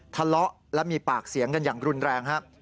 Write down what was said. ทะเลาะและมีปากเสียงกันอย่างรุนแรงครับ